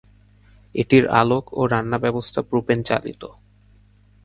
এটির আলোক ও রান্না ব্যবস্থা প্রোপেন চালিত।